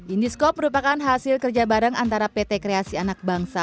indiscope merupakan hasil kerja bareng antara pt kreasi anak bangsa